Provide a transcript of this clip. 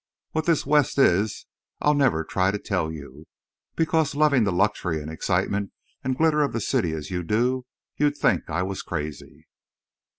What this West is I'll never try to tell you, because, loving the luxury and excitement and glitter of the city as you do, you'd think I was crazy.